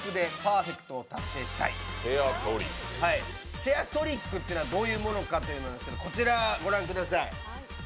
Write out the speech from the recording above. チェアトリックというのはどういうものかこちらご覧ください。